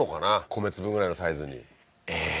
米粒ぐらいのサイズにええー？